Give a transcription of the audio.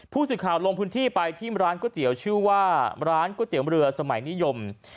ผู้สื่อข่าวลงพื้นที่ไปที่ร้านก๋วยเตี๋ยวชื่อว่าร้านก๋วยเตี๋ยวเรือสมัยนิยม